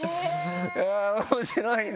面白いね。